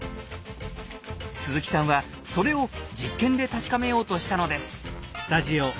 鈴木さんはそれを実験で確かめようとしたのです。